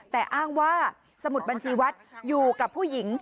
แต่อ้างว่าสมุดบัญชีวัดอยู่กับผู้หญิง